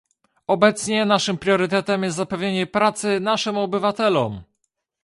obecnie naszym priorytetem jest zapewnienie pracy naszym obywatelom!